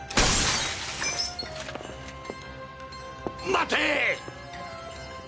待て！